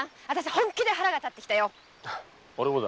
本気で腹が立ってきたよおれもだ。